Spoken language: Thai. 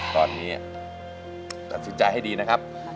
ตอนนี้ตัดสินใจให้ดีนะครับ